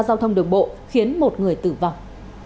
giao thông đường bộ khiến một người tử vọng